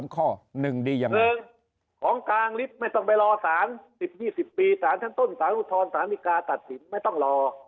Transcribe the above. ๑ของกลางลิฟต์ไม่ต้องไปรอสาร๑๐๒๐ปีสารชั้นต้นสารอุทธรสารนิกาตัดสินไม่ต้องรอ